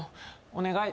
お願い。